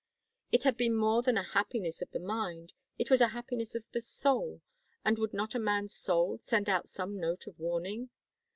It had been more than a happiness of the mind; it was a happiness of the soul, and would not a man's soul send out some note of warning?